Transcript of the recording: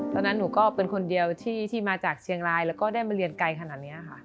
ตอนนั้นหนูก็เป็นคนเดียวที่มาจากเชียงรายแล้วก็ได้มาเรียนไกลขนาดนี้ค่ะ